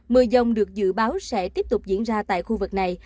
mưa dông được dự báo sẽ tiếp tục diễn ra tại khu vực này